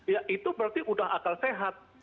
ya itu berarti sudah akal sehat